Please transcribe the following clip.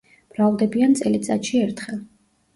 მრავლდებიან წელიწადში ერთხელ.